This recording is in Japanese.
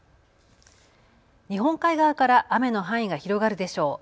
日本海側から雨の範囲が広がるでしょう。